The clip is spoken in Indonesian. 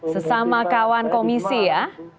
sesama kawan komisi ya